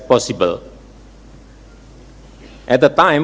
pada saat banyak partai